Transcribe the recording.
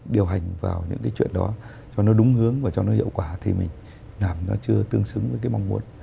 điều hành vào những cái chuyện đó cho nó đúng hướng và cho nó hiệu quả thì mình làm nó chưa tương xứng với cái mong muốn